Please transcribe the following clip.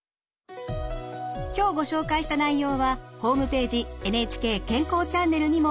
今日ご紹介した内容はホームページ「ＮＨＫ健康チャンネル」にも掲載されています。